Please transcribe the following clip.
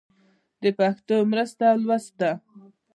د پښتو مرسته لوست ده.